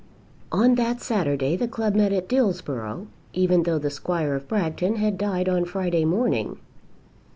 On that Saturday the club met at Dillsborough, even though the Squire of Bragton had died on Friday morning.